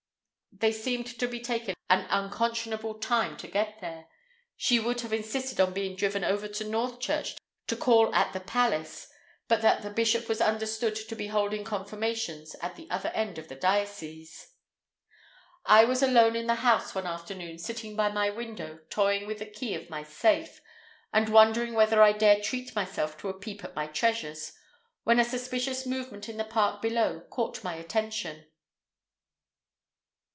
They seemed to be taking an unconscionable time to get there. She would have insisted on being driven over to Northchurch to call at the palace, but that the bishop was understood to be holding confirmations at the other end of the diocese. I was alone in the house one afternoon sitting by my window, toying with the key of my safe, and wondering whether I dare treat myself to a peep at my treasures, when a suspicious movement in the park below caught my attention.